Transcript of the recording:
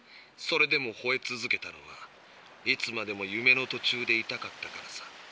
それでもほえ続けたのはいつまでも夢の途中でいたかったからさ。